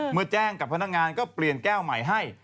เมื่อแจ้งกับพนักงานก็เปลี่ยนแก้วใหม่ให้